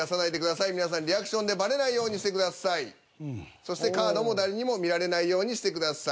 そしてカードも誰にも見られないようにしてください。